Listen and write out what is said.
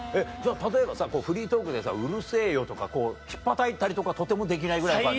例えばさこうフリートークでさ「うるせぇよ」とかこうひっぱたいたりとかとてもできないぐらいの感じ？